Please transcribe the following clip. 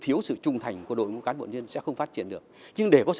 iraq giành quyền kiểm soát cửa ngõ